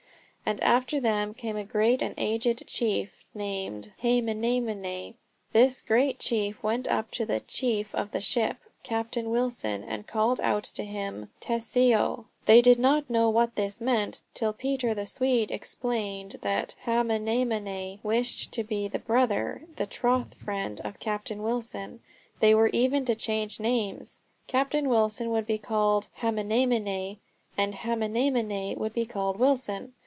And after them came a great and aged chief named Haamanemane. This great chief went up to the "chief" of the ship, Captain Wilson, and called out to him "Taio." They did not know what this meant, till Peter the Swede explained that Haamanemane wished to be the brother the troth friend of Captain Wilson. They were even to change names. Captain Wilson would be called Haamanemane, and Haamanemane would be called Wilson.